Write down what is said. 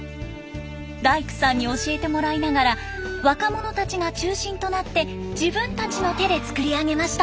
大工さんに教えてもらいながら若者たちが中心となって自分たちの手で作り上げました。